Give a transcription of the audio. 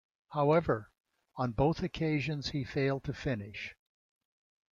However, on both occasions he failed to finish.